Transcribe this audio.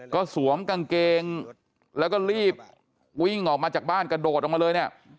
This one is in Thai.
ก็สวมกางเกงแล้วก็รีบวิ่งออกมาจากบ้านกระโดดออกมาเลยเนี่ย